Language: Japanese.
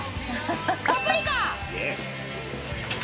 パプリカ！